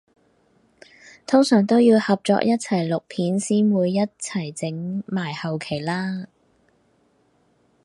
通常都要合作一齊錄片先會一齊整埋後期啦？